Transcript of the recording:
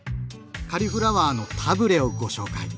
カリフラワーのタブレをご紹介。